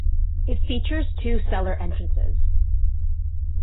It features two cellar entrances.